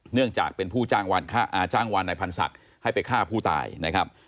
เนื่องจากเป็นผู้จังหวัดในพรรษักษ์ให้ไปฆ่าผู้ตายนะครับ